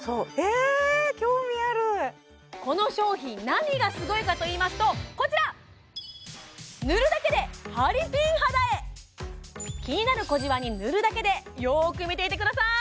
この商品何がすごいかといいますとこちら気になる小じわに塗るだけでよーく見ていてください